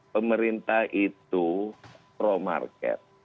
pemerintah itu pro market